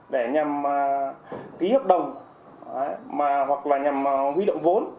để nhằm ký hợp đồng hoặc là nhằm huy động vốn